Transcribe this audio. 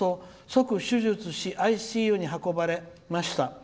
即手術してＩＣＵに運ばれました」。